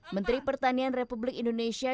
menteri pertanian republik indonesia